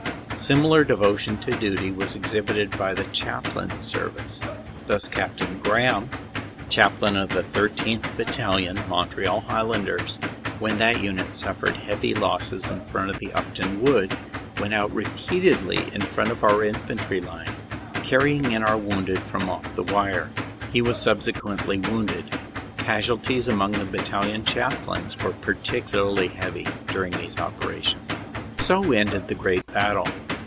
Similar devotion to duty was exhibited by the Chaplain service. Thus Capt. Graham, chaplain of the 13th. Battal lion, Montreal Highlanders, when that unit suffered heavy losses in front of Upton Wood, went out repeatedly in front of OPERATIONS: SEPT. 1 3. CONTINUED 167 our infantry line, carrying in our wounded from off the wire. He was subsequently wounded. Casualties among the Bat talion Chaplains were particularly heavy during these opera tions. So ended the great battle.